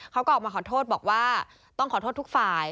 เขาก็ออกมาขอโทษบอกว่าต้องขอโทษทุกฝ่าย